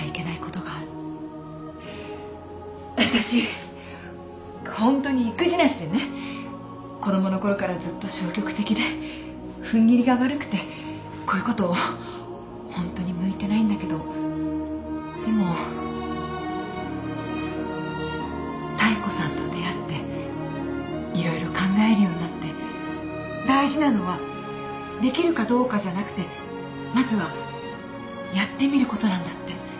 私ホントに意気地なしでね子供のころからずっと消極的で踏ん切りが悪くてこういうことホントに向いてないんだけどでも妙子さんと出会って色々考えるようになって大事なのはできるかどうかじゃなくてまずはやってみることなんだって。